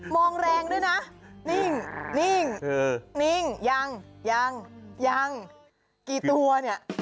มองแรงด้วยนะนิ่งยังกี่ตัวเนี่ย